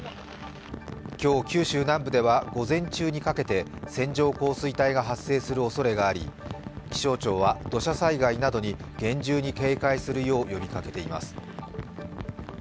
今日、九州南部では午前中にかけて線状降水帯が発生するおそれがあり、気象庁は土砂災害などに厳重に警戒するよう呼びかけています。